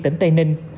tỉnh tây ninh